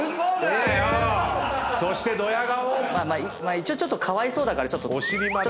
一応ちょっとかわいそうだからちょっと。